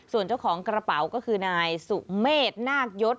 ส่วนเจ้าของกระเป๋าก็คือนายสุเมษนาคยศ